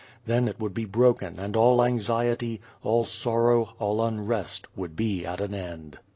Then it would ])e broken and all anxiety, all sorrow, all unrest would be at an end.